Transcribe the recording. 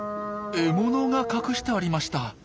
獲物が隠してありました。